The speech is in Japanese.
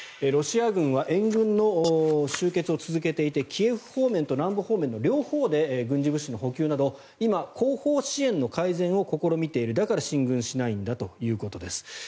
ロシア軍は援軍の集結を続けていてキエフ方面と南部方面の両方で軍事物資の補給など今、後方支援の改善を試みているだから進軍しないんだということです。